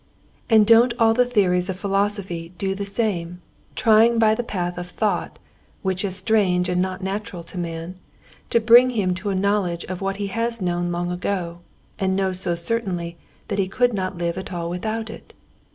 "And don't all the theories of philosophy do the same, trying by the path of thought, which is strange and not natural to man, to bring him to a knowledge of what he has known long ago, and knows so certainly that he could not live at all without it?